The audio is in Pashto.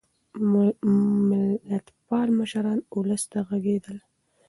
ملتپال مشران ولس ته غږېدل.